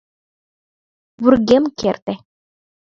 Вургем керте!